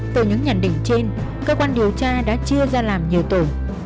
từ những nhận định trên cơ quan điều tra đã chia ra làm nhiều tổ